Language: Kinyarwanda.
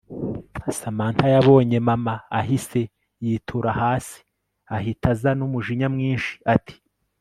Samantha yabonye mama ahise yitura hasi ahita aza numujinya mwinshi ati